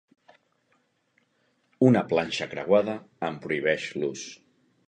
Una planxa creuada en prohibeix l'ús.